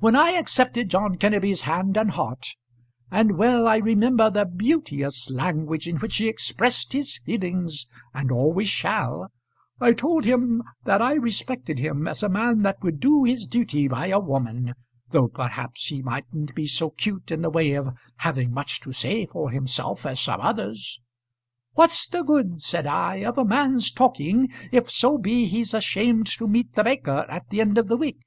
"When I accepted John Kenneby's hand and heart, and well I remember the beauteous language in which he expressed his feelings, and always shall, I told him, that I respected him as a man that would do his duty by a woman, though perhaps he mightn't be so cute in the way of having much to say for himself as some others. 'What's the good,' said I, 'of a man's talking, if so be he's ashamed to meet the baker at the end of the week?'